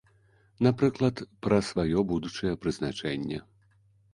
Напрыклад, пра сваё будучае прызначэнне.